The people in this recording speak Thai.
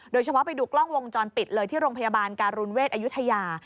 โดยเฉพาะไปดูกล้องวงจรปิดเลยที่โรงพยาบาลการุณเวชอายุทยา